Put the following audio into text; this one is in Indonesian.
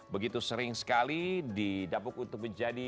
begitu sering sekali didapuk untuk menjadi